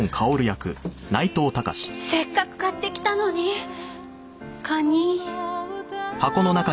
せっかく買ってきたのにカニ。